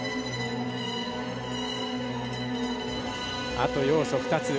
あと要素２つ。